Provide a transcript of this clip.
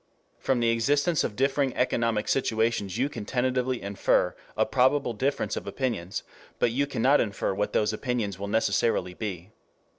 From the existence of differing economic situations you can tentatively infer a probable difference of opinions, but you cannot infer what those opinions will necessarily be.